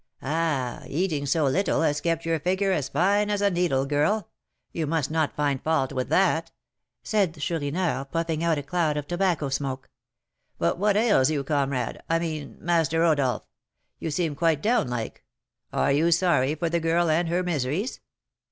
"Ah, eating so little has kept your figure as fine as a needle, girl; you must not find fault with that," said Chourineur, puffing out a cloud of tobacco smoke. "But what ails you, comrade I mean, Master Rodolph? You seem quite down like; are you sorry for the girl and her miseries?